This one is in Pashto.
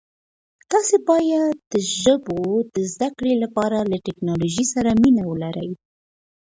تاسي باید د ژبو د زده کړې لپاره له ټکنالوژۍ سره مینه ولرئ.